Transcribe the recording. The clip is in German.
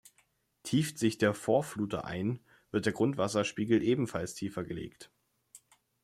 Tieft sich der Vorfluter ein, wird der Grundwasserspiegel ebenfalls tiefer gelegt.